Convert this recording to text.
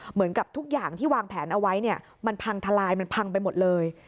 เหมือนกับทุกอย่างที่วางแผนเอาไว้เนี่ยมันพังทลายมันพังไปหมดเลย